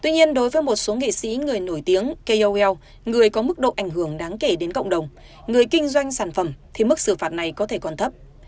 nhiều người có mức độ ảnh hưởng đáng kể đến cộng đồng người kinh doanh sản phẩm thì mức xử phạt này có thể còn thấp